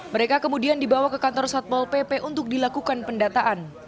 mereka kemudian dibawa ke kantor satpol pp untuk dilakukan pendataan